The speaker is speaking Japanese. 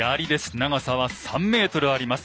長さは３ｍあります。